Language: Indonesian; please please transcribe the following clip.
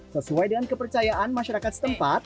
sesuai dengan kepercayaan masyarakat setempat